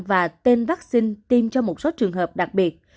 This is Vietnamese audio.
và tên vaccine tiêm cho một số trường hợp đặc biệt